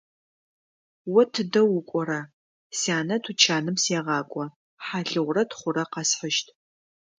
О тыдэ укӀора? – Сянэ тучаным сегъакӀо; хьалыгъурэ тхъурэ къэсхьыщт.